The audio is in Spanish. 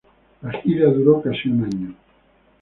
La gira duró casi un año.